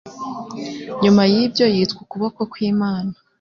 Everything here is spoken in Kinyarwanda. Nyuma y’ibyo Yitwa Ukuboko kwImana